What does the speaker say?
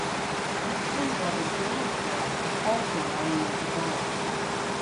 His twin brother James Jarrard is also an army major general.